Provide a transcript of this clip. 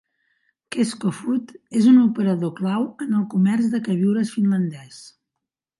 Kesko Food és un operador clau en el comerç de queviures finlandès.